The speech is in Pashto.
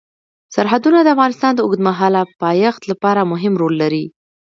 سرحدونه د افغانستان د اوږدمهاله پایښت لپاره مهم رول لري.